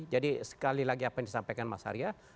jadi sekali lagi apa yang disampaikan mas arya